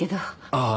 ああ。